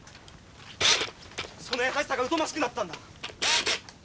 その優しさがうとましくなったのだ。